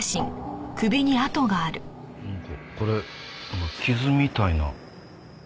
なんかこれなんか傷みたいな。